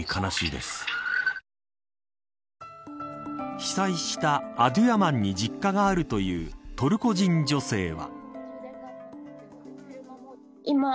被災したアドゥヤマンに実家があるというトルコ人女性は。